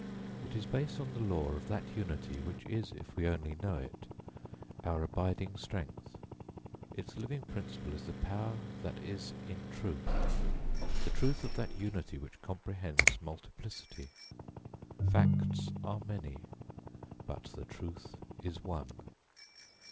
It is based on the law of that unity which is, if we only know it, our abiding strength. Its living principle is the power that is in truth; the truth of that unity which comprehends multiplicity. Facts are many, but the truth is one.